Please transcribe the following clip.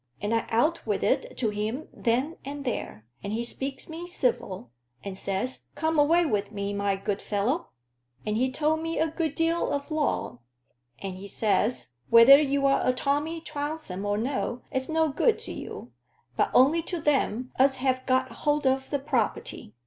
And I out with it to him then and there. And he speaks me civil, and says, 'Come away wi' me, my good fellow.' And he told me a deal o' law. And he says, 'Whether you're a Tommy Trounsem or no, it's no good to you, but only to them as have got hold o' the property.